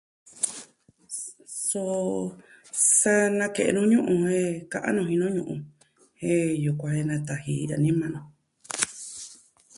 Soo sa na ke'en nuu ñuu jen ka'an nuu jinu, jen yukuan nataji dani maa no.